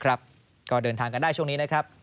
ก็เดินทางกันได้ช่วงนี้นะครับ